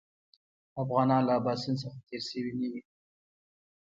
افغانان له اباسین څخه تېر شوي نه وي.